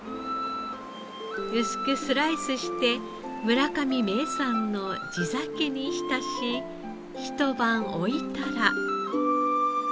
薄くスライスして村上名産の地酒に浸しひと晩置いたら。